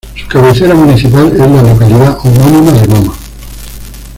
Su cabecera municipal es la localidad homónima de Mama.